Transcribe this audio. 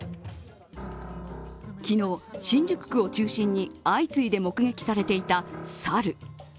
昨日、新宿区を中心に相次いで目撃されていた猿。